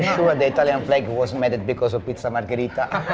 saya yakin pembunuh italia itu dihormati karena pembunuh pizza margherita